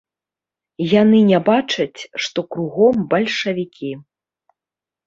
Яны не бачаць, што кругом бальшавікі.